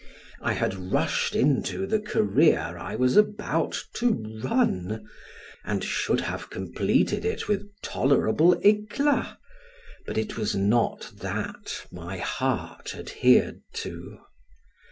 I had rushed into the career I was about to run, and should have completed it with tolerable eclat, but it was not that my heart adhered to.